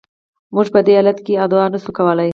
موږ په دې حالت کې ادعا نشو کولای.